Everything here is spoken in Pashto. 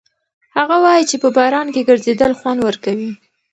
هغه وایي چې په باران کې ګرځېدل خوند ورکوي.